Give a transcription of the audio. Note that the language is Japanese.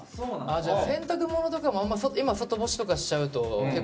じゃあ洗濯物とかも今外干しとかしちゃうと結構大変。